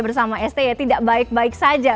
bersama sti tidak baik baik saja